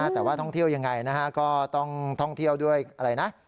แต่ว่าท่องเที่ยวยังไงนะฮะก็ต้องท่องเที่ยวด้วยอะไรนะ